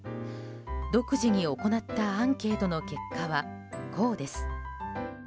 独自に行ったアンケートの結果はこうです。